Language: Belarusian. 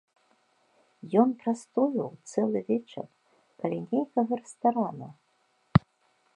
Ён прастойваў цэлы вечар каля нейкага рэстарана.